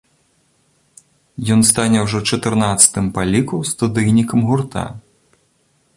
Ён стане ўжо чатырнаццатым па ліку студыйнікам гурта.